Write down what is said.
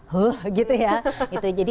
heuh gitu ya